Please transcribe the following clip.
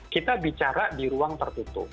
kita bicara di ruang tertutup